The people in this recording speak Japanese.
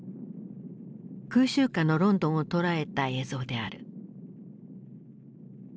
空襲下のロンドンを捉えた映像である。